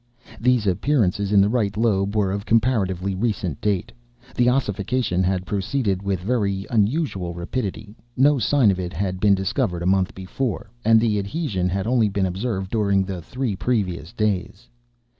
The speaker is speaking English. These appearances in the right lobe were of comparatively recent date. The ossification had proceeded with very unusual rapidity; no sign of it had been discovered a month before, and the adhesion had only been observed during the three previous days.